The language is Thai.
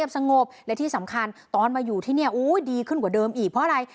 สงบและที่สำคัญตอนมาอยู่ที่นี่ดีขึ้นกว่าเดิมอีกเพราะอะไร